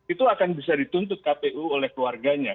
itu akan bisa dituntut kpu oleh keluarganya